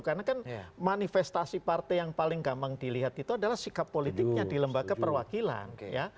karena kan manifestasi partai yang paling gampang dilihat itu adalah sikap politiknya di lembaga perwakilan